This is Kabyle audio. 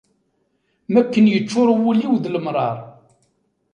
Mi akken yeččur wul-iw d lemṛaṛ.